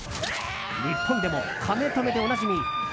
日本でも「カメ止め」でおなじみ